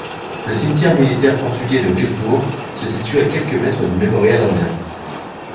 Le cimetière militaire portugais de Richebourg se situe à quelques mètres du mémorial indien.